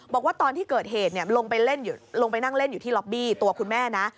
บอกว่าตอนที่เกิดเหตุลงไปนั่งเล่นอยู่ที่ล็อบบี้ตัวคุณแม่นะ